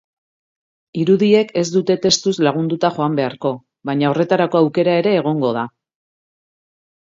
Irudiek ez dute testuz lagunduta joan beharko, baina horretarako aukera ere egongo da.